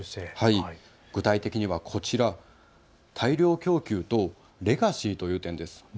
具体的には大量供給とレガシーという点です。